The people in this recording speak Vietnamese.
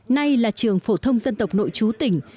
nay là trường phổ thông dân tộc nội chú tỉnh